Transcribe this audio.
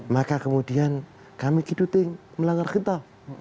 maka kemudian kami melanggar kita